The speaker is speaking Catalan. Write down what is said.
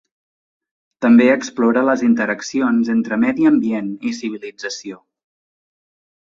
També explora les interaccions entre medi ambient i civilització.